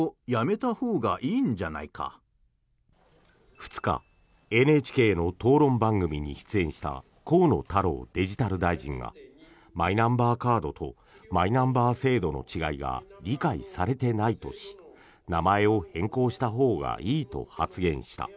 ２日、ＮＨＫの討論番組に出演した河野太郎デジタル大臣がマイナンバーカードとマイナンバー制度の違いが理解されていないとし名前を変更したほうがいいと発言した。